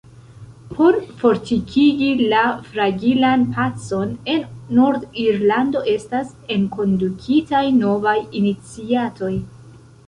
Por fortikigi la fragilan pacon en Nord-Irlando estas enkondukitaj novaj iniciatoj.